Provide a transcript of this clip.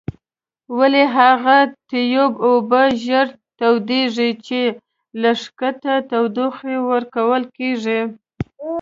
ولې هغه تیوب اوبه ژر تودیږي چې له ښکته تودوخه ورکول کیږي؟